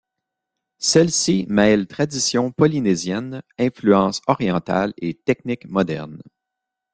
Celle-ci mêle traditions polynésiennes, influences orientales et techniques modernes.